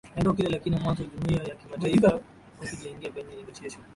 endo kile lakini mwanzo jumuiya ya kimataifa haikujiengage kwenye negotiations